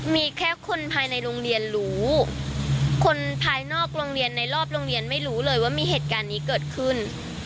มีแค่คนภายในโรงเรียนรู้คนภายนอกโรงเรียนในรอบโรงเรียนไม่รู้เลยว่ามีเหตุการณ์นี้เกิดขึ้น